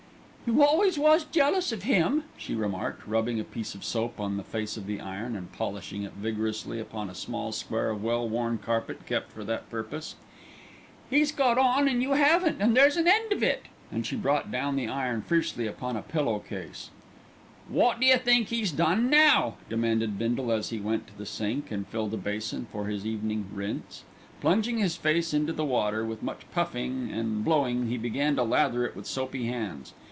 "You always was jealous of him," she remarked, rubbing a piece of soap on the face of the iron and polishing it vigorously upon a small square of well worn carpet kept for that purpose. "'E's got on and you haven't, and there's an end of it;" and she brought down the iron fiercely upon a pillow case. "Wot d'you think 'e's done now?" demanded Bindle, as he went to the sink and filled a basin for his evening "rinse." Plunging his face into the water, with much puffing and blowing he began to lather it with soapy hands.